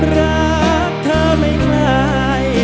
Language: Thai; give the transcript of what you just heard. รักเธอไม่คล้าย